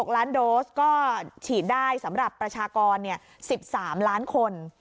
๖ล้านโดสก็ฉีดได้สำหรับประชากร๑๓ล้านคน